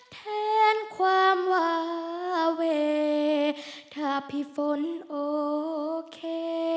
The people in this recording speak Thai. แทนความวาเวย์ถ้าพี่ฝนโอเค